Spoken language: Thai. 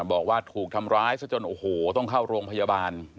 บอกว่าถูกทำร้ายซะจนโอ้โหต้องเข้าโรงพยาบาล